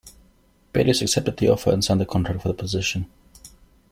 Berlioz accepted the offer, and signed the contract for the position.